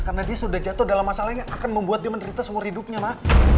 karena dia sudah jatuh dalam masalah yang akan membuat dia menderita semua hidupnya ma